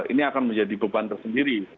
ini akan menjadi beban tersendiri